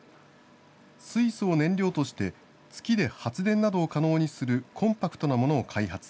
水素を燃料として、月で発電などを可能にするコンパクトなものを開発。